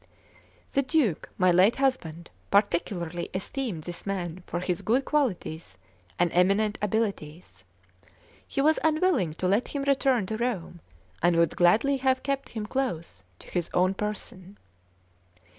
The Duke, my late husband, particularly esteemed this man for his good qualities and eminent abilities; he was unwilling to let him return to Rome, and would gladly have kept him close to his own person."